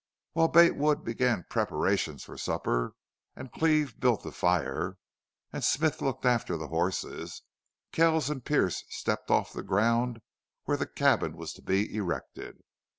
While Bate Wood began preparations for supper, and Cleve built the fire, and Smith looked after the horses, Kells and Pearce stepped off the ground where the cabin was to be erected.